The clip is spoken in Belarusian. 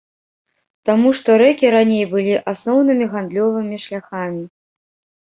Таму што рэкі раней былі асноўнымі гандлёвымі шляхамі.